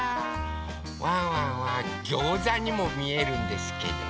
ワンワンはギョーザにもみえるんですけど。